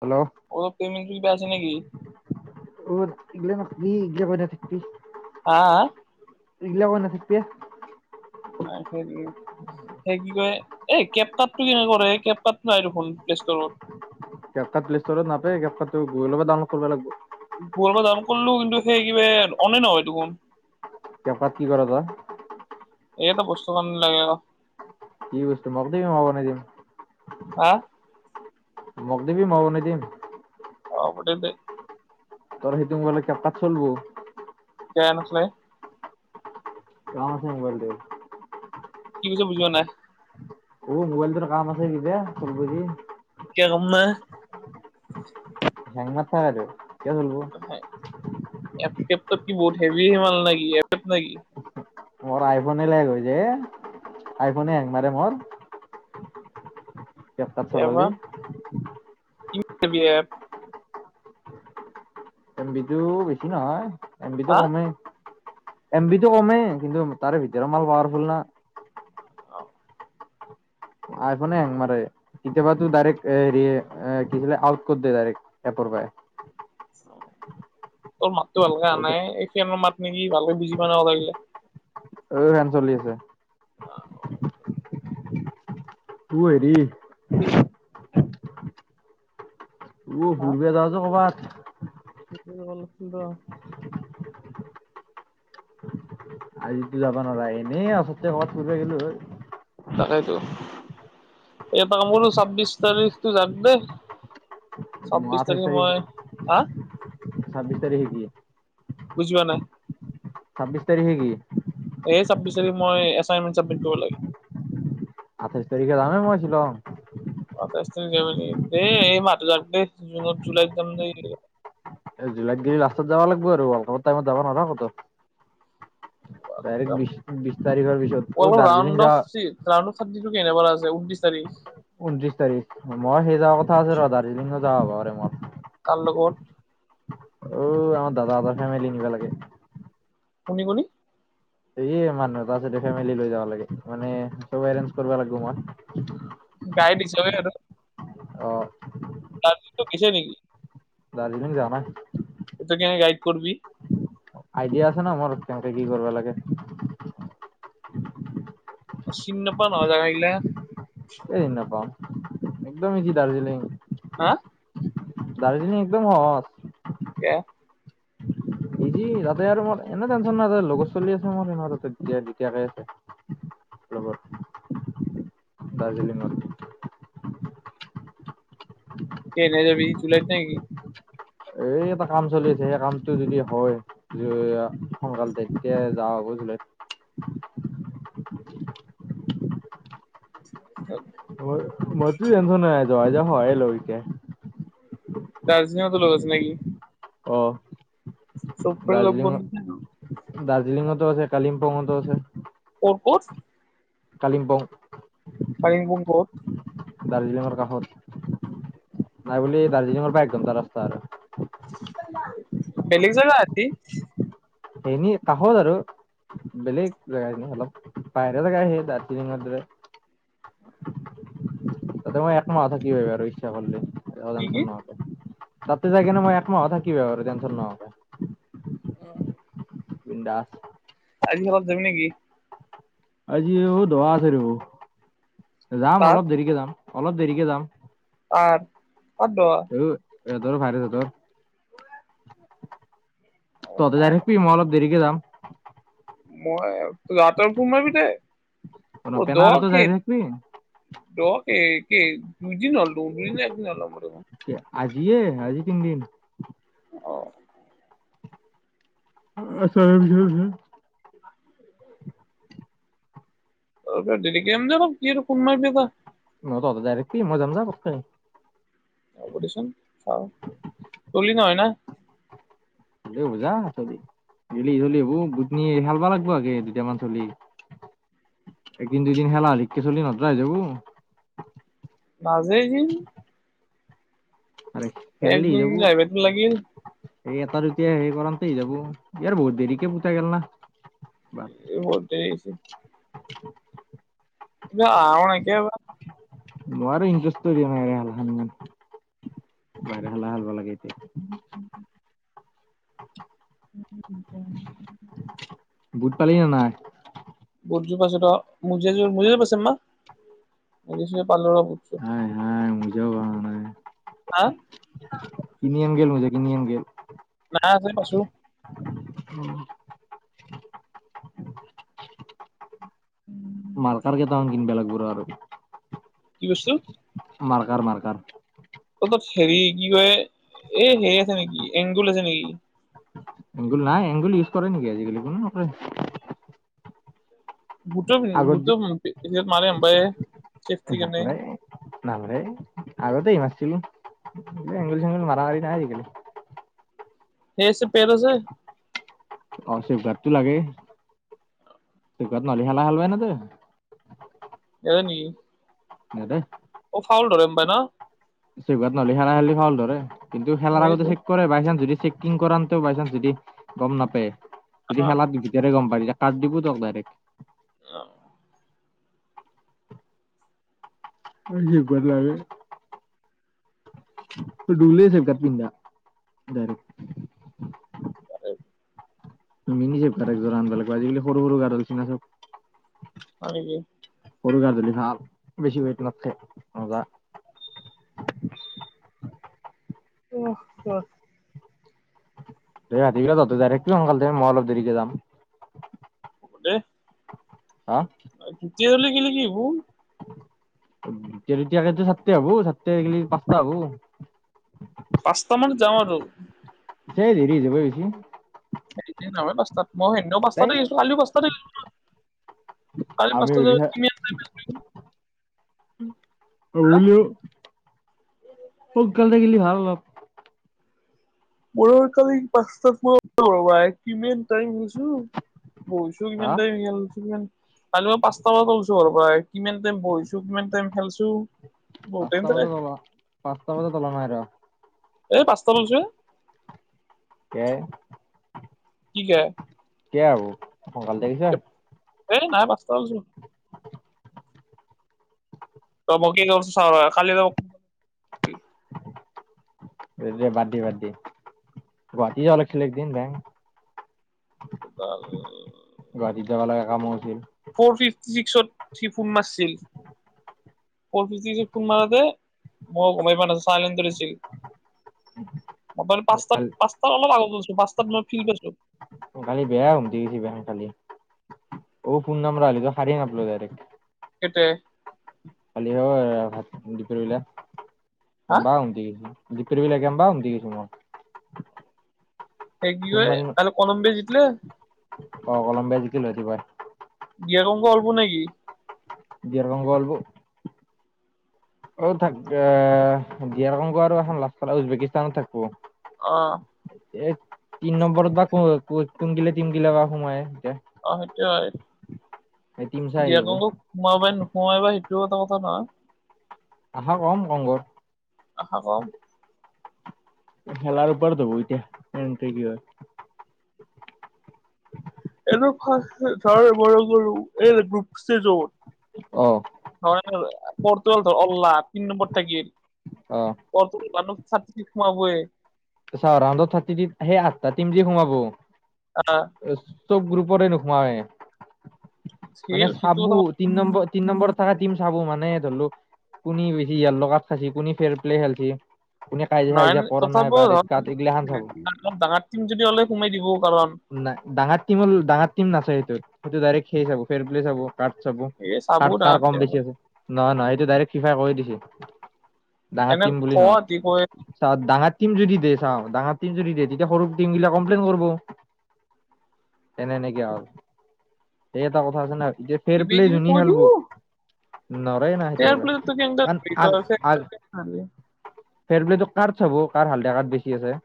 Hello অ' পেমেন্টো কিবা আছে নেকি? [unintelligible] হা - হা এইগলা কৈ নাথাকবিয়ে। [unintelligible] সেই কি কয় এই কেপকাটটো কেনেকে কৰে এ কেপকাটটো নাই দেখোন প্লে ষ্টৰত? কেপ কাট প্লে ষ্টোৰত নাপায় কেপকাটটো গুগলৰ পৰা ডাউনলোড কৰবা লাগব। গুগলৰ পৰা ডাউনলোড কল্লো কিন্তু সেই কিবা এ অনে নহয় দেখোন। কেপকাট কি কৰা তই? এই এটা বস্তুৰ কাৰনে লাগে ৰ। কি বস্তু? মক দিবি, মই বনে দিম। হা? মক দিবি, মই বনে দিম। অ, হব দিম দে। তৰ সেইটো মবাইলত কেপকাট চলব? কিয়া নছলে? [unintelligible] মোবাইলটো। কি কৈছা বুজি পৱা নাই। অ' মোবাইলটোৰ কাম আছে কিবা? চলব যি। কিয়া কাম নাই? হেং মাৰ থাকেটো কিয় চলব? কেপটপ কি বহুত হেভি হে মাল নে কি এপ নেকি [unintelligible] মোৰ আইফোনে লেল হৈছে, আইফোনে হেং মাৰে মৰ। কেপকাত চলালি। [unintelligible] বি এপ এমবিটো বেছি নহয়, এম বিটো হা কমেই। এমবিটো কমেই, কিন্তু তাৰে ভিতৰৰ মাল পাৱাৰফুল না। আইফোনে হেং মাৰে। কেতিয়াবাটো ডাইৰেক্ট এ হেৰি এ কি বোলে আউট কৰ দিয়ে এপৰ পা হয়। তোৰ মাতটো ভালকে আহা নাই অ এ। এই ফেনৰ মাত নেকি ভালকে বুজি পোৱা নাই কথাবিলাক। অ ফেন চলি আছে। অ হেৰি [inaudible] উম ঘুৰবে যাওঁ য কবাত। কিন্তু অলপ কিবা আজিতো যাবা নৰা এ। এনেই অচৰতে কবাত ফুৰবা গেলো হয়। তাকেইটো। এটা কাম কৰোঁ ছাব্বিছ তাৰিখটো যাক দে। মই চাব্বিছ আঠাইছ তাৰিখে তাৰিখ মই, হা? ছাব্বিছ তাৰিখে কি বুজি পা নাই। ছাব্বিছ তাৰিখে কি? ছাব্বিছ তাৰিখে মই এছাইনমেণ্ট চাবমিত কৰিব লাগে। আঠাইছ তাৰিখে যামে মই ছিলং। [unintelligible] দেই এই মাহটো যাওঁক দে। জুনত জুলাইৰ যাম দে [unintelligible] এ জুলাইত গেলি লাষ্টত যাব লাগব আৰু [unintelligible] টাইমত যাব নোৱাৰা কতো। ডাইৰেক্ট বিশ অলপ বিশ তাৰিখৰ [unintelligible] পিছত অ দাৰ্জিলিং কেনেবাৰ যাৱা আছে ঊনত্ৰিছ তাৰিখ। ঊনত্ৰিশ তাৰিখ মই, সেই যা কথা আছে ৰ। দাৰ্জিলিঙো যাব হ'ব পাৰে মৰ। কাৰ লগত অ আমাৰ দাদা এটাৰ ফেমিলি নিবা লাগে। কোনি-কোনি? সেইয়ে মানুহ এটা আছে দে ফেমিলি লৈ যাবা লাগে। মানে চব এৰেঞ্জ কৰবা লাগব মই। গাই দিছত্ৰইত আৰু। অঁ। তাটো টো গেছে নেকি? দাৰ্জিলিং যও নাই। এইটো কেনে গাইড কৰবি? আইডিয়া আছে ন মোৰ কেনেকে কি কৰিব লাগে । অ চিনি নাপোৱা নহয় জেগাবিলাক । এই নাপাওঁ একদমেই কি দাৰ্জিলিং । হা! দাৰ্জিলিং একদম সহজ । কি? ইজি তাতে আৰু মোৰ এনে টেনশ্যন নাই তাতে লগত চলি আছে মোৰ তাতৈয়াকে আছে । ববৰ দাৰ্জিলিং ন। কেনে যাবি জুলাইত নেকি? এই এটা কাম চলি আছে সেই কামটো যদি হয় সোনকালে তেতিয়া যাওঁ । [unintelligible] অ [unintelligible] বু এধ নে যোৱা যায়ওঁ হয় ল কে [unintelligible] দাৰ্জিলিঙতো লোক আছে নেকি? অ চব ফৰে লগ দাৰ্জিলিঙত বধ ন দাৰ্জিলিঙতো আছে কালিম্পঙতো আছে। ক'ত--ক'ত কালিম্পং পালিং পংক। দাৰ্জিলিঙৰ কাষত নাই বুলি দাৰ্জিলিঙৰ বাইক ঘণ্টা ৰাস্তা আৰু। বেলেগ জাব আতি। এনি তাহ'দ আৰু। বেলেগ জেগা অলপ বাহৰে জেগা আহেই দাৰ্জিলিঙৰ দৰে। ততে মই এক মাহ থাকিব আৰু ইচ্ছা কৰিলে কি কি । তাতে যায় কিনে মই একমাহত থাকিবি আৰু টেনশ্যন নহকে। আহ [inaudible] বি দাস আজিৰ ঘৰত জাবি নেকি? আজি অ দোৱা আছে বু যাম অলপ দেৰিকে যাম অলপ দেৰিকে যাম। আৰু প দোৱা এ তৰ ভাৰ থত তহতে যাই থাকিবি মই অলপ দেৰিকে যাম। মই যাওঁতে সোমাবি দে। পেনাৰতো দহক যাই থাকিবি দহক [unintelligible] দুইদিন হ'ল দুদিন একদিন হল ম দেম। আজিয়ে আজি তিনিদিন। অ আচ্ছা। দৰিক আম দে কি কোন মাৰ পা নহত ডাইৰেক্ট মজামম যা প হ'ব দেচোন চাওঁ চলি নহয় না হবু যা চলি গেলি চলি হব গুটনী খেলবা লাগিব আগে দুটামান চলি [unintelligible] এদিন দুদিন খেলা লিককে চলি নতই যাবু নাযায় যি আৰে কেলি একদিন যাবো। আহিবাতো লাগিল এই এটা দুতিয়া হেই কৰাতে স যাব ইয়াৰ বহুত দেৰিকে পোতা গল না। এইবাৰ এইবতে । [inaudible] এ নকে বা [unintelligible] নোৱাৰো ইটাৰেষ্ট দিয় বাহালমান বাহ হাল হালব লাগে এতিয়া। উম উম উম। উম। বুট পালি ন নাই। বধযোৰ পাছত অ মজিয় মজি য পাইছে মা মজ । পালো ৰহ হাই হাই মোজাও পাৱা নাই হা কিনি এং গেল মুজে কিন এং গেল। কা আছে কৈছো। উম। উম । মাৰ্কাৰ গেটা কিনব লাগব আৰু - কি কৈছে। Marker marker. অ তাত হেৰি কি কয় এই হেৰি আছে নেকি এংগুল আছে নেকি? এংগুল নাই এংগুল ইউজ কৰে নেকি আজিকালি কোনো নকৰে। বুট মাৰে এম্পাই। নালৰে নালৰে আগতে মাইছিলো। এংলি চেং মৰা মাৰ নাই আজিকালি। সেই চোত তেল আছে। অশেফ ঘাটতটো লাগে। ত কত নহ'লে হেলা হেল হয়াই ন ত। হয় নেকি? ন দে। অ ফাউল ধৰেম পাই ন। নহলে খেলা খেলি ভাল ধৰে কিন্তু খেলাৰ আগতেো সেইটো চেিক কৰে বাই চান্স যদি চেক কৰে। কৰাটো বাই চান্স যদি গম নাপায় যদি অ খেলাত ভিতৰে গম পাই। কাত দিব দক ডাইৰেক্ট। অ অ দিব লাগে। ডলেছেকাৰ পিন্ধা ডাইৰেক। [unintelligible] মিনিছে গা একয আন্ধিব লাগিব আজিকালি সৰু সৰু গাডালচিনা চব। হয় নেকি? সৰু গাজুলি ভাল বেছি ৱেত নাথকে ৰজা। [unintelligible] [unintelligible] [unintelligible] ৰাতিবাই সোনকাল দে মই অলপ দেৰিকে যাম। দে। হা। তেতিয়া হ'লে গেলি কি হবো- তিয়াতিয়া চাতটে হব চাতটে পাঁচটা হব। পাঁচটা মান যাম আৰু। সেই দেৰি হৈ যাব বেছি। সেই নহয় পাঁচটাত মই সেও তাই পাঁচটাতে আহিছো ছোৱালীও পাঁচটাতে। কাল আমি পাঁচটা বজাত উৰিষা কি মেল মাৰি গল। [unintelligible] কত গালে গে ভাল হব। মৰ কালি পাঁচটাত মা কিমান টাইম হৈছো। বৈছো হা কিমান কালি পাঁচটা বজাত আহিছো ঘৰৰ পৰাই। কিমান টাইম বহিছো কিমান টাইম খেলছো। বহুত টাইম পাঁচটা থাকে বজাত পাঁচটা বজাত ওলোৱা নাই ৰ। এই পাঁচটা শুইছো এ [unintelligible] কে [unintelligible] কি কে? কীয়া হব সোনকালে গৈছা [unintelligible] এই নাই পাঁচটা গৈছোঁ। ৰ কালি [unintelligible] [unintelligible] বাদ দি বাদ দি গুৱাহাটী জাব লাগছিলে বেং। উদাল [inaudible] যাবা লাগা কামো আছিল। ফ'ৰ ফিফটি ছিক্সত থিপুণ মাচছিল [unintelligible] [unintelligible] ফোন মাৰতে মই গমাই পা নাছিলো প প কালি আগত [unintelligible] মই ফিল পাইছো। খালি বেয়া হ কিছি বে খালি অ ফোনন নম্বৰ আালি সাৰি নাপল ডাইৰেকট [unintelligible] এট । কালি হ ভাত দি পেলবা হা কেমা উট । [unintelligible] [unintelligible] সে কি হয় তাললে কলম্ব জিতিলে। অ কলম্বীয়া জিকিল ৰাতিপুৱাই । বিয়াকংক অল্প নেকি? [unintelligible] গীৰকং গলব [unintelligible] অ থাক দিয়াকংক আৰু এখন লাষ্টাল উজবেকিস্তানত থাকিবো [unintelligible] আহ । এই তিন নম্বৰত বা ক কুমকিলে তিমগিলে বা সোমাই । [unintelligible] অ সেইটো । এই টিম চাই দি আৰ আহিব কন্নগো সোমাবাই নোসোমাই বাা সেইটোও এটা কথা নহয় । আহা কম কংগৰ । আশা কম । খেলৰ উপৰত হব এতিয়া [unintelligible] এনে ধৰ বৰ গৰু এই ব্ৰুপ যত অ [unintelligible] ন বৰ্তাল ধ অল্লাহ তি নম্বৰ থাকি [unintelligible] অ অতন মানুহ ছাত্ৰী হো এ । [unintelligible] ৰাউডত থাৰ্টি সেই আঠটা টিম দি সোমাব । আহ । ছব গ্ৰুপৰে নোসোমই সেই মানে সেইটো চাব কথা তিন নম্বৰ তিন নম্বৰ থকা চাবো মানে ধৰিলও কুনি বেছি ইাত খাইছ কুনি ফেৰ প্লে খেলছে । [unintelligible] কোনে কাজিয়া সজীয়া কৰা নাই বা ৰী অপ ডাঙৰ টিম যদি অ'লে সোমাই দিব ন নাই ডাঙৰ টিম ডাঙৰ টিম নচছে সেইটোত সেইটো ডাইৰেক্ট খে চাব ফেৰ পল্লে চাব । [unintelligible] কাৰ্ড চাব এই চাবো ডাঙৰ কাৰ টিম কম বেছি অলপ আছে নহয় নহয় এইটো ডাইৰেক্ সিফাই কৈ দিছে । ডাঙা এনে টীম বুলি নহয় কয় কি কয় চ ডাঙা টিম যদি দিয়ে চা ডাঙৰ টিম যদি দিয়ে তেতিয়া সৰু টিম বিলাক কমপ্লেইন কৰিব । এনেই নে কি আও, এই এটা কথা আছে ন । যে ফেৰ কিবি প্লে কিবি ধুনি কৈ খেলব দিব । নৰায় না ফেয়াৰ সেইটো প্লেটো কেনেকে আৰ ধৰি আগ তই আগ ফেয়াৰ [unintelligible] প্লে ফেয়ৰ প্লয়ে কাৰ চাব কাৰ হাল্দা কাত বেছি আছে ।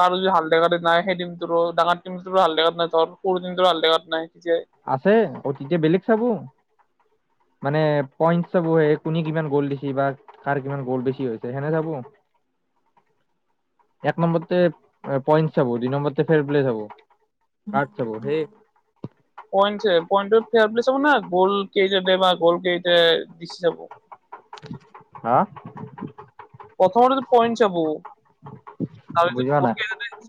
কাৰ যদি হালদ নাই সেই দিনটোৰো ডাঙৰ তিমটোৰো হালদিয়া কাৰ্ড নাই ত সৰু দিনটো হালদিয়া কাৰ্ড নাই তেতিয়া আছে অতিতিয়া বেলেগ চাব । মানে পইণ্ট চব স কোনে কিমান গ'ল দেখি বা কাৰ কিমান গ'ল বেছি হৈছে হেনে চাব । এক নম্বৰতে পইন্ট চাব দুই নম্বৰতে ফেৰ প্লে চাব । কাতছ বৌ হেই । পইট পইণ্টত ফে বুলি চাব না গল কেইটা দে বা গল কেইট দি যাব । হা প্ৰথম পইণ্ট চাব বুজি পোৱা নাই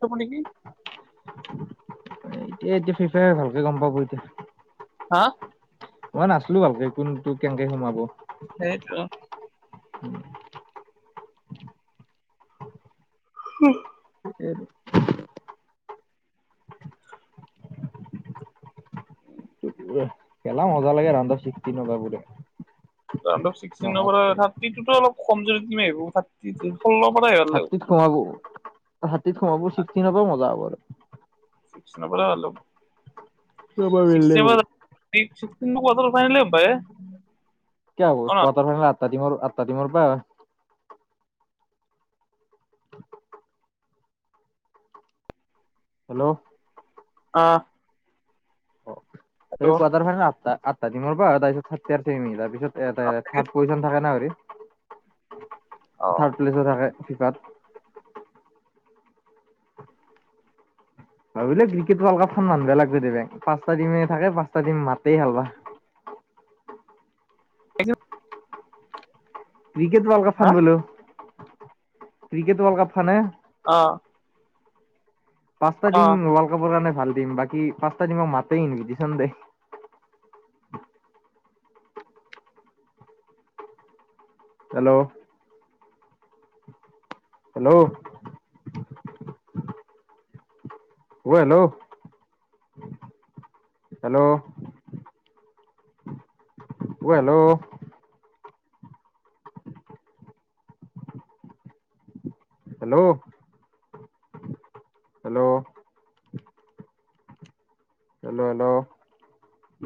ত নেকি । এ এতিয়া ফিফাই ভালকে গম পাব এতিয়া । অ মই নাছিলো ভালকে কোন তোক কেনেকে সোমাব । সেইটো। হ এইটো খেলা মজা লাগে ৰন্ধা শিক নজাবোৰে । [unintelligible] হাতীত সোমাবোৰ চিকষতিন পৰাই মজা হ'ব আৰু চিকষতিনৰ পৰাই ভাল হ পুৰা বেলেগ হ'ব ল [unintelligible] কিয় হোৱা ক্টাৰ ফাইনেল আঠটা দিম আঠটা দিমৰ পৰা। হেল্ল' অহ অ কোৱাটাৰ ফাইনেল আঠটা আঠটা দিনৰৰ পৰা তাৰপিছত আৰু চেমি তাৰপিছত এটা থাৰ্ড পজিচন থাকে না হৰি থাৰ্ড প্লেছে থাকে ফিফাত- ভাবিলে ক্ৰিকেট ৱৰ্ল কাপ মানুহে লাগ পাঁচটা টিমে থাকে পাঁচটা টিম মাতে হালবা। [unintelligible] এ ক্ৰিকেট ৱাৰ্ল্ড কাপ হা ফান বোলো ক্ৰিকেট ৱৰ্ল্ড কাপ ফানে। অ পাচটা টম অ' ৱাৰ্ল্ড কাপৰ কাৰনে- ভাল দিম বাকী পাঁচ্তটা টিমক মাতেই নেকুজিছ দেই হেল্ল' হেল্ল' উ হেল্ল' হেল্ল' অ hello hello hello hello hello '